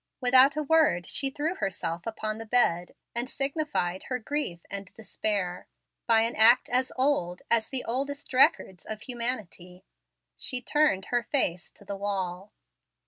Without a word she threw herself upon the bed and signified her grief and despair by an act as old as the oldest records of humanity, she "turned her face to the wall."